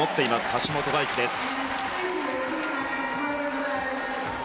橋本大輝です。